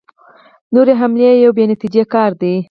نورې حملې یو بې نتیجې کار دی.